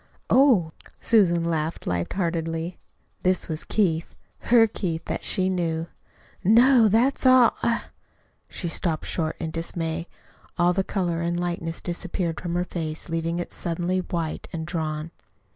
"Oh!" Susan laughed light heartedly. (This was Keith her Keith that she knew.) "No that's all I " She stopped short in dismay! All the color and lightness disappeared from her face, leaving it suddenly white and drawn.